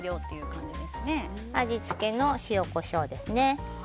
味付けの塩、コショウですね。